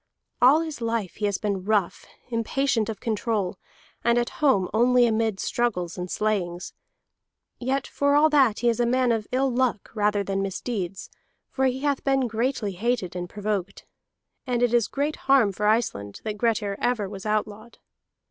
All his life he has been rough, impatient of control, and at home only amid struggles and slayings. Yet for all that he is a man of ill luck rather than misdeeds, for he hath been greatly hated and provoked. And it is great harm for Iceland that Grettir ever was outlawed.